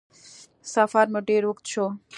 سفر مې ډېر اوږد شو